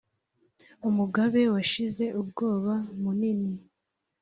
umugabe washize ubwoba munini